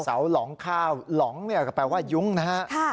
หลองข้าวหลองเนี่ยก็แปลว่ายุ้งนะฮะ